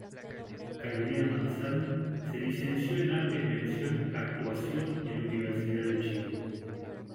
Carolina Marzán se licenció en Artes mención actuación en la Universidad de Chile.